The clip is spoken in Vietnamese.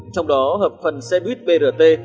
trong đó hợp phần một xe buýt nhanh brt